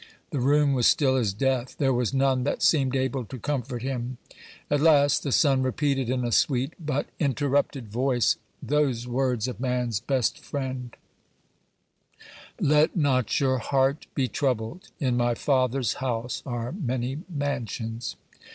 The room was still as death; there was none that seemed able to comfort him. At last the son repeated, in a sweet, but interrupted voice, those words of man's best Friend: "Let not your heart be troubled; in my Father's house are many mansions."